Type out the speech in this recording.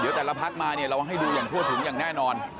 เดี๋ยวแต่ละพักมาเนี่ยเราให้ดูอย่างทั่วถึงอย่างแน่นอน